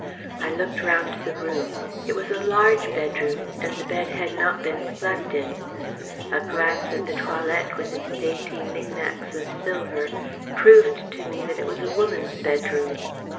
I looked round the room. It was a large bedroom, and the bed had not been slept in. A glance at the toilette with its dainty knick knacks of silver proved to me that it was a woman's bedroom.